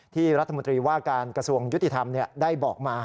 ที่รัฐมนตรีว่าการกระทรวงยุติธรรมได้บอกมา